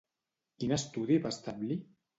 Quin estudi va establir?